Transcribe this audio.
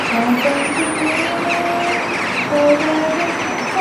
欧塞奇镇区为位在美国堪萨斯州克劳福德县的镇区。